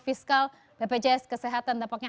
fiskal bpjs kesehatan tampaknya